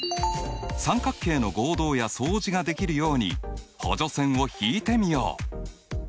三角形の合同や相似ができるように補助線を引いてみよう。